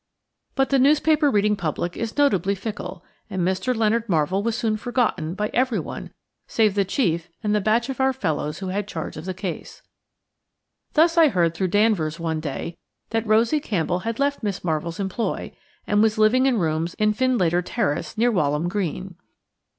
But the newspaper reading public is notably fickle, and Mr. Leonard Marvell was soon forgotten by everyone save the chief and the batch of our fellows who had charge of the case. Thus I heard through Danvers one day that Rosie Campbell had left Miss Marvell's employ, and was living in rooms in Findlater Terrace, near Walham Green.